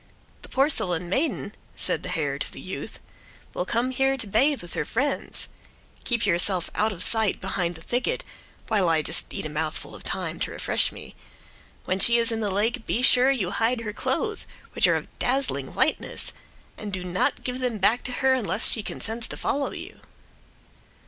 "The porcelain maiden," said the hare to the youth, "will come here to bathe with her friends. Keep yourself out of sight behind the thicket, while I just eat a mouthful of thyme to refresh me. When she is in the lake be sure you hide her clothes, which are of dazzling whiteness, and do not give them back to her unless she consents to follow you."